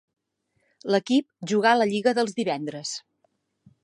L'equip jugà la lliga dels divendres.